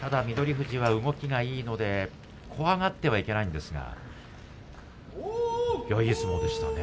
富士は動きがいいので怖がってはいけないんですがいい相撲でしたね。